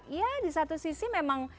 iya di satu sisi memang